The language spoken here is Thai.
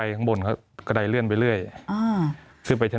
มีความรู้สึกว่ามีความรู้สึกว่า